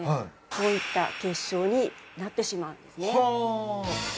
こういった結晶になってしまうんですね